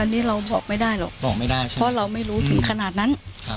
อันนี้เราบอกไม่ได้หรอกเพราะเราไม่รู้ถึงขนาดนั้น